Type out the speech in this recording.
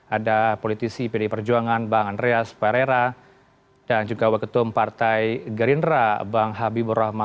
ada politisi pd perjuangan bang andreas perera dan juga waketum partai gerindra bang habibur rahman